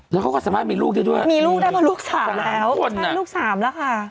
เธอก็สามารถมีลูกได้ด้วยเหรอคะมีลูกได้เพราะลูก๓แล้วใช่ลูกสามแล้วค่ะ